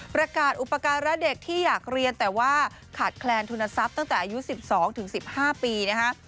ประกาศอุปการะเด็กที่อยากเรียนแต่ว่าขาดแคลนทุนทรัพย์ตั้งแต่อายุ๑๒๑๕ปีนะคะ